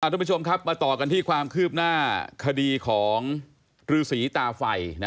ทุกผู้ชมครับมาต่อกันที่ความคืบหน้าคดีของฤษีตาไฟ